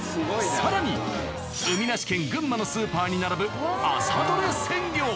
更に海なし県・群馬のスーパーに並ぶ朝どれ鮮魚。